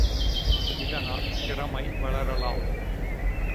இதனால், திறமை வளரலாம்!